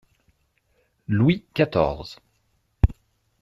Louis quatorze.